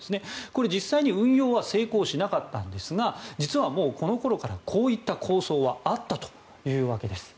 これ、実際に運用は成功しなかったんですが実は、もうこの頃からこういった構想はあったということです。